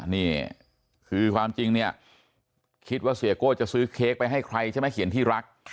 นี่คือความจริงเนี่ยคิดว่าเสียโก้จะซื้อเค้กไปให้ใครใช่ไหมเขียนที่รัก